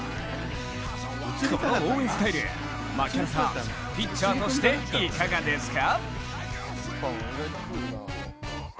この応援スタイル、槙原さん、ピッチャーとしていかがですか？